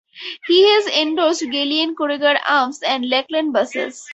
He has endorsed Gallien-Krueger amps and Lakland Basses.